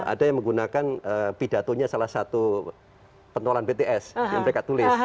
ada yang menggunakan pidatonya salah satu pentolan bts yang mereka tulis